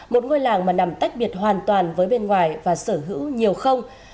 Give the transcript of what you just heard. một ngôi làng mà nằm tách biệt hoàn toàn với bên ngoài và sở hữu nhiều không